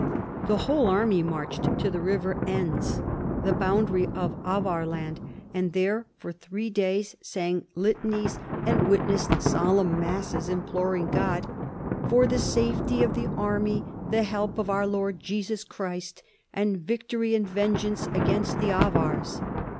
The whole army marched to the river Enns, the boundary of Avar land, and there for three days sang litanies an<^ witnessed 212 CHARLEMAGNE. solemn masses imploring God '' for the safety of the army, the help of our Lord Jesus Christ, and victory and vengeance against the Avars."